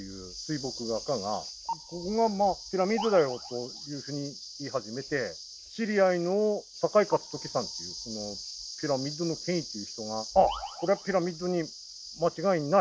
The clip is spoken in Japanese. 「ここがピラミッドだよ！」というふうに言い始めて知り合いの酒井勝軍さんというピラミッドの権威っていう人が「あこれはピラミッドに間違いない！」